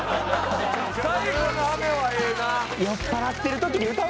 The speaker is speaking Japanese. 『最後の雨』はええな。